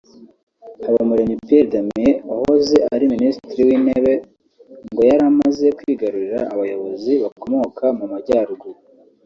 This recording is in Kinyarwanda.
Habumuremyi Pierre Damien wahoze ari Minisitiri w’Intebe ngo yari amaze kwigarurira abayobozi bakomoka mu Majyaruguru